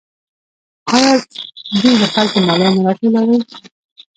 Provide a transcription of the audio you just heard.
آیا دوی له خلکو مالیه نه راټولوي؟